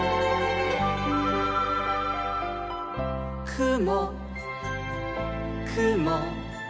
「くもくも」